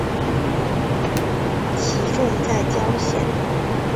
其冢在谯县。